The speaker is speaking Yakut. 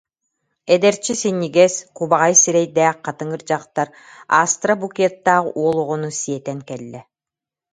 Эдэрчи синньигэс, кубаҕай сирэйдээх хатыҥыр дьахтар астра букеттаах уол оҕону сиэтэн кэллэ